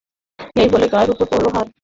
এই বলে পায়ের উপর রাখল হার।